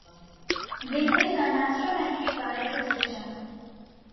This is an astrometric binary system.